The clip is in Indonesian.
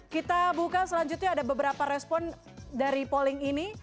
kita buka selanjutnya ada beberapa respon dari polling ini